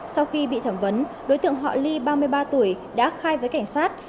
sau khi bị thẩm vấn đối tượng họ ly ba mươi ba tuổi đã khai với cảnh sát